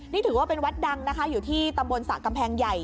นี่ถือว่าเป็นวัดดังนะคะอยู่ที่ตำบลสระกำแพงใหญ่